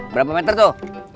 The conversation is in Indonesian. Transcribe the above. berapa meter tuh